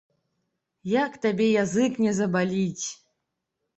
Як табе язык не забаліць?